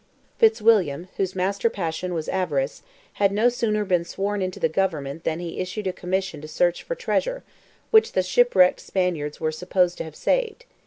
Fitzwilliam, whose master passion was avarice, had no sooner been sworn into the government than he issued a commission to search for treasure, which the shipwrecked Spaniards were supposed to have saved.